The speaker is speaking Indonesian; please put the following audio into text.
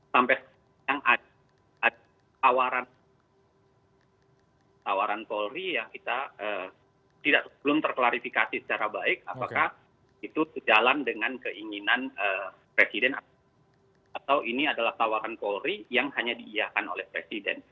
sampai sekarang tawaran polri yang kita belum terklarifikasi secara baik apakah itu sejalan dengan keinginan presiden atau ini adalah tawaran polri yang hanya diiyahkan oleh presiden